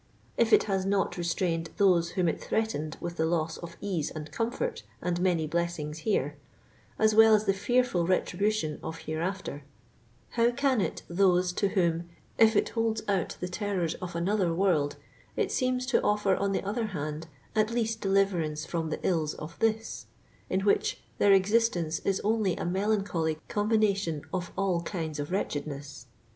If it has not restrained those whom it threatened with the loss of ease and comfort and many blessings here, as well as the fearful retribution of hereafter, how can it 41 thoie to whom if it holds out the terrors of another world, it seems to ofier on the other hand at least deliverance from the ills of this, in which <* their existence is only a melancholy combination of all kinds of wretchedness